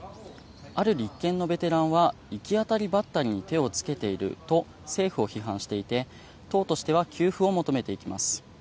ある立憲のベテランは行き当たりばったりに手をつけていると政府を批判していて党としては給付を求めていきます。